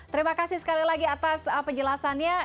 terima kasih sekali lagi atas penjelasannya